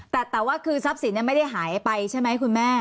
แต่ว่าคือทรัพย์สินไม่ได้หายไปใช่ไหมคุณแม่